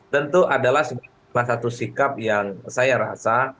tentu adalah satu sikap yang saya rasa